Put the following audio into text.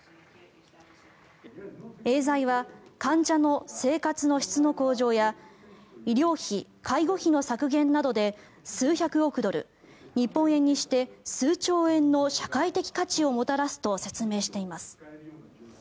エーザイは患者の生活の質の向上や医療費、介護費の削減などで数百億ドル日本円にして数兆円の社会的価値をもたらすと説明しています。